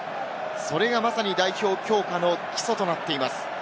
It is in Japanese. それが、まさに代表強化の基礎となっています。